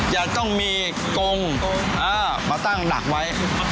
จะต้องมีกงมาตั้งหนักไว้